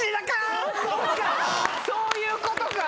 そういうことか！